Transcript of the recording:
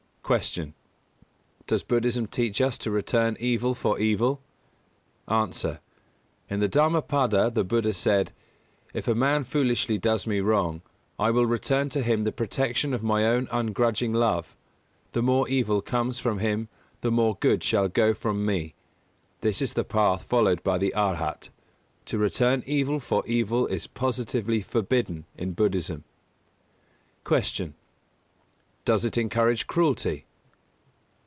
200. Q. Does Buddhism teach us to return evil for evil? A. In the Dhammapada the Buddha said: "If a man foolishly does me wrong, I will return to him the protection of my ungrudging love; the more evil comes from him, the more good shall go from me." This is the path followed by the Arhat. To return evil for evil is positively forbidden in Buddhism. 201. Q. _Does it encourage cruelty?